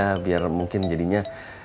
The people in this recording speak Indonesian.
ya biar mungkin jadinya